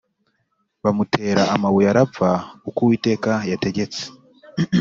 Bamutera amabuye arapfa uko uwiteka yategetse